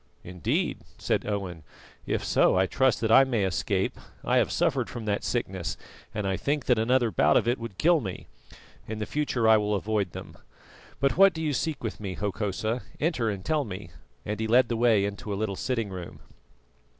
"Indeed," said Owen. "If so, I trust that I may escape. I have suffered from that sickness, and I think that another bout of it would kill me. In future I will avoid them. But what do you seek with me, Hokosa? Enter and tell me," and he led the way into a little sitting room.